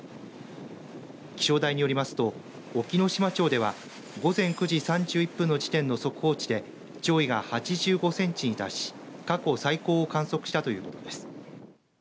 気象台によりますと隠岐の島町では午前９時３１分の時点の速報値で潮位が８５センチに達し過去最高観を測したということです。